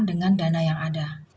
berapa lama kita menggunakan